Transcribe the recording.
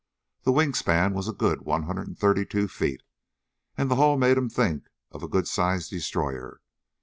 The wing span was a good one hundred and thirty two feet, and the hull made him think of a good sized destroyer.